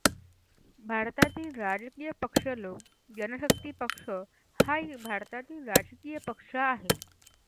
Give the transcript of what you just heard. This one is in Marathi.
भारतातील राजकीय पक्षलोक जनशक्ति पक्ष हा एक भारतातील राजकीय पक्ष आहे.